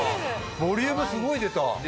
ボリュームすごい出た。